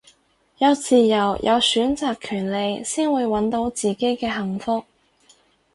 有自由有選擇權利先會搵到自己嘅幸福